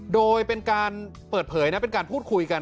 โดยเป็นการเปิดเผยนะเป็นการพูดคุยกัน